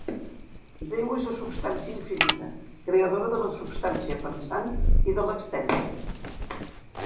Déu és la substància infinita, creadora de la substància pensant i de l'extensa.